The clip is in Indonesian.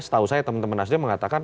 setahu saya teman teman nasdem mengatakan